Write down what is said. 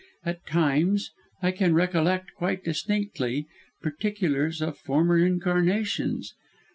At times I can recollect, quite distinctly, particulars of former incarnations.